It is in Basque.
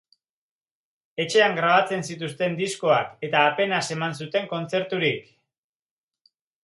Etxean grabatzen zituzten diskoak eta apenas eman zuten kontzerturik.